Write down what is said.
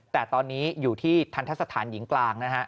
แต่ตอนนี้อยู่ที่ทันทะสถานหญิงกลางนะฮะ